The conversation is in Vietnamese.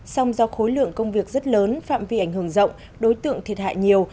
song do khối lượng công việc rất lớn phạm vi ảnh hưởng rộng đối tượng thiệt hại nhiều